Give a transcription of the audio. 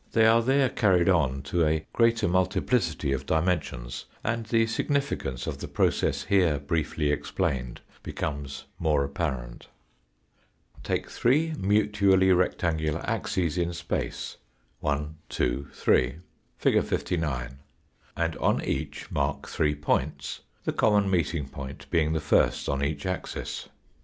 They are there carried APPLICATION TO KANT'S THEORY OF EXPERIENCE 113 on to a greater multiplicity of dimensions, and the significance of the process here briefly explained becomes more apparent. Take three mutually rectangular axes in space 1, 2, 3 (fig. 59), and on each mark three points, the common meeting point being the first on each axis.